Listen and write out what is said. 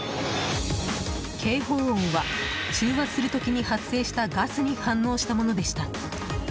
警報音は中和する時に発生したガスに反応したものでした。